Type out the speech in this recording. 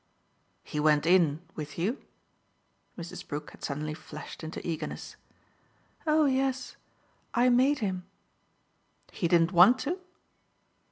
"He went IN with you?" Mrs. Brook had suddenly flashed into eagerness. "Oh yes I made him." "He didn't want to?"